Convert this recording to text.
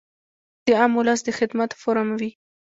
د عام اولس د خدمت فورم وي -